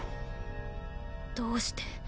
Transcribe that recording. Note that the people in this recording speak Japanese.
どうして？